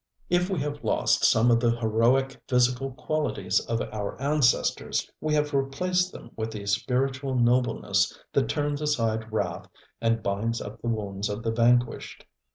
If we have lost some of the heroic physical qualities of our ancestors, we have replaced them with a spiritual nobleness that turns aside wrath and binds up the wounds of the vanquished.